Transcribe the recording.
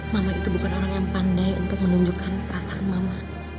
mama itu bukan orang yang pandai untuk menunjukkan perasaan mama